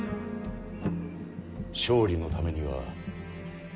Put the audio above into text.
勝利のためには。